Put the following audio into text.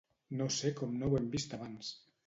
No sé com no ho hem vist abans!